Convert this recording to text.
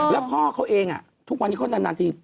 แล้วพ่อเขาเองทุกวันนี้นานสัปดาห์ที